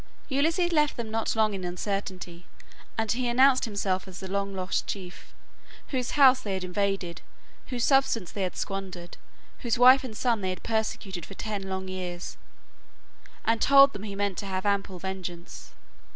Ulysses left them not long in uncertainty; he announced himself as the long lost chief, whose house they had invaded, whose substance they had squandered, whose wife and son they had persecuted for ten long years; and told them he meant to have ample vengeance.